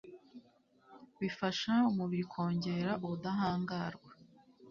bifasha umubiri kongera ubudahangarwa